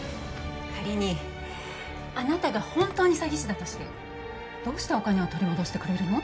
仮にあなたが本当に詐欺師だとしてどうしてお金を取り戻してくれるの？